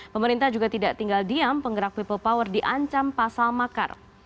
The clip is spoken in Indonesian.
pemerintah juga tidak tinggal diam penggerak people power diancam pasal makar